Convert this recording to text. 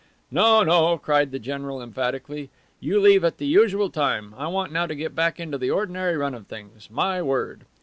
"No, no," cried the general emphatically. "You leave at the usual time. I want now to get back into the ordinary run of things, my word!